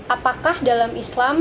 apakah dalam islam